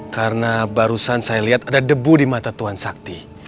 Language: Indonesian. karena barusan saya lihat ada debu di mata tuan sakti